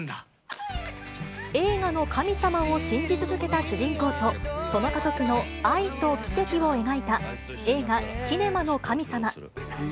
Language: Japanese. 映画の神様を信じ続けた主人公と、その家族の愛と奇跡を描いた映画、キネマの神様。